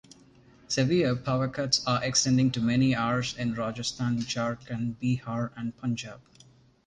Severe power cuts are extending to many hours in Rajasthan, Jharkhand, Bihar, and Punjab.